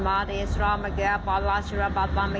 มาดีอ่ะส่ะมาดีอ่ะส่ะมาดีอ่ะส่ะ